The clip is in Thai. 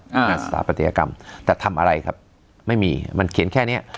งานสถาปัตยกรรมแต่ทำอะไรครับไม่มีมันเขียนแค่เนี้ย